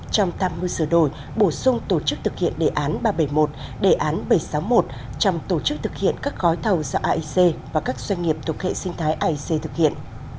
trong ba mươi giờ đổi bổ sung tổ chức thực hiện đề án ba trăm bảy mươi một đề án bảy trăm sáu mươi một trong tổ chức thực hiện các gói thầu do aic và các doanh nghiệp thuộc hệ sinh thái aic thực hiện